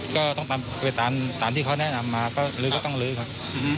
ก็ต้องไปตามที่เขาแนะนำมาก็ลื้อก็ต้องลื้อครับ